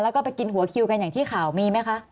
แล้วก็ไปกินหัวคิวกันอย่างที่ข่าวมีไหมคะ